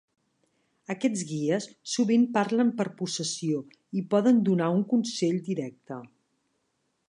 Aquests guies sovint parlen per possessió, i poden donar un consell directe.